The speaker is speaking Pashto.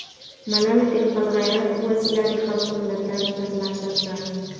ملالۍ د خپل غیرت په وسیله د خلکو ملاتړ ترلاسه کړ.